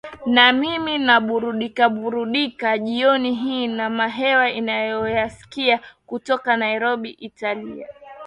na mimi naburudikaburudika jioni hii na mahewa ninayoyasikia kutoka nairobi italia